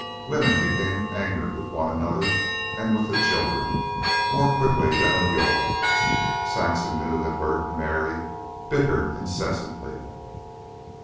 Women became angered with one another, and with the children, more quickly than of yore; and Saxon knew that Bert and Mary bickered incessantly.